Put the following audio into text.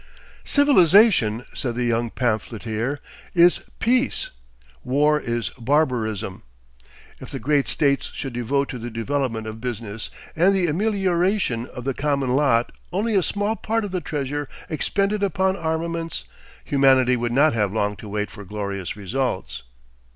"Civilization," said the young pamphleteer, "is peace; war is barbarism. If the great states should devote to the development of business and the amelioration of the common lot only a small part of the treasure expended upon armaments, humanity would not have long to wait for glorious results."